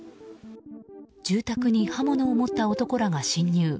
住宅に刃物を持った男らが侵入。